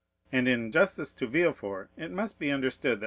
And in justice to Villefort, it must be understood that M.